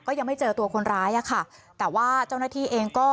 ก็ยังไม่เจอตัวคนร้ายอะค่ะแต่ว่าเจ้าหน้าที่เองก็